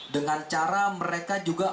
dengan cara mereka juga